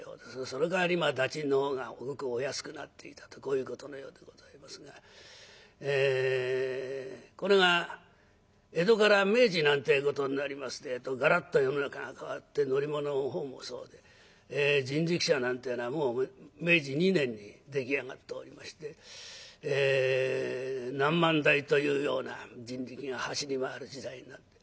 そのかわり駄賃の方がごくお安くなっていたとこういうことのようでございますがこれが江戸から明治なんてことになりますてえとがらっと世の中が変わって乗り物の方もそうで人力車なんてのはもう明治２年に出来上がっておりまして何万台というような人力が走り回る時代になって。